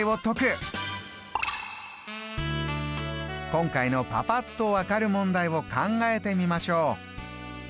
今回のパパっと分かる問題を考えてみましょう。